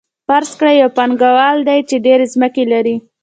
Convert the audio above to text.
فرض کړئ یو پانګوال دی چې ډېرې ځمکې لري